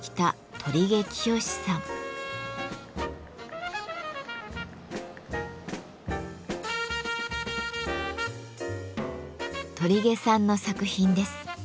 鳥毛さんの作品です。